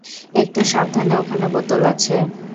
একটু সাবধানে ওখানে বোতল আছে।